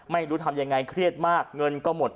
ไม่รู้ทำยังไงเครียดมากเงินก็หมด